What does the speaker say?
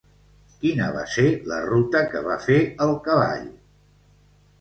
Quina va ser la ruta que va fer el cavall?